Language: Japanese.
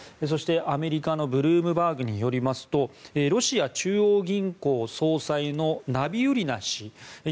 そして、アメリカのブルームバーグによりますとロシア中央銀行総裁のナビウリナ氏。